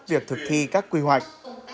việc thực thi các quy hoạch